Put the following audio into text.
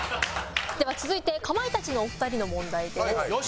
では続いてかまいたちのお二人の問題です。